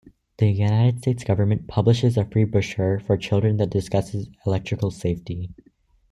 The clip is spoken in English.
The United States government publishes a free brochure for children that discusses electrical safety.